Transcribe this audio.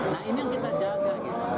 nah ini yang kita jaga gitu